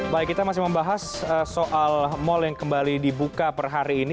baik kita masih membahas soal mal yang kembali dibuka per hari ini